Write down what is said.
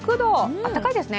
あったかいですね。